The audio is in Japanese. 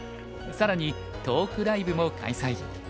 更にトークライブも開催。